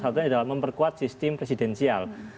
satunya adalah memperkuat sistem presidensial